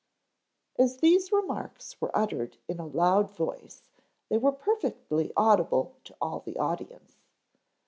As these remarks were uttered in a loud voice, they were perfectly audible to all the audience.